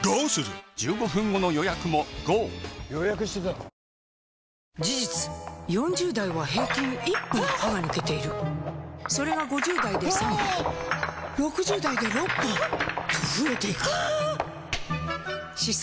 ここで投手・大谷選手とヌートバー選手との事実４０代は平均１本歯が抜けているそれが５０代で３本６０代で６本と増えていく歯槽